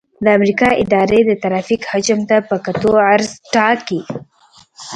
د امریکا اداره د ترافیک حجم ته په کتو عرض ټاکي